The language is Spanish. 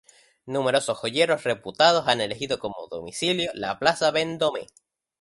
Numerosos joyeros reputados han elegido como domicilio la plaza Vendôme.